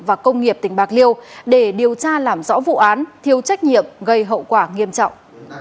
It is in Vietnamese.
và công nghiệp tỉnh bạc liêu để điều tra làm rõ vụ án thiếu trách nhiệm gây hậu quả nghiêm trọng